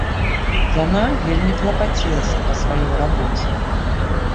Яна вельмі клапацілася па сваёй рабоце.